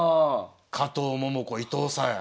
加藤桃子伊藤沙恵